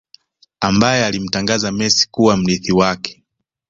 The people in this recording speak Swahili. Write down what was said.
Ambaye alimtangaza Messi kuwa mrithi wake